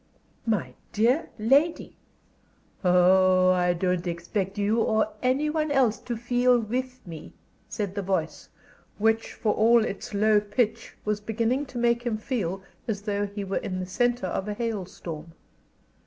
"My dear lady " "Oh, I don't expect you or any one else to feel with me," said the voice which for all its low pitch was beginning to make him feel as though he were in the centre of a hail storm.